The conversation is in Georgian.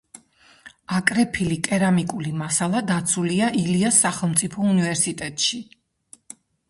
აკრეფილი კერამიკული მასალა დაცულია ილიას სახელმწიფო უნივერსიტეტში.